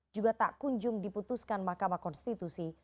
juga tak kunjung diputuskan mahkamah konstitusi